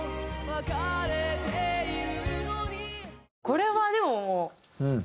これはでももう。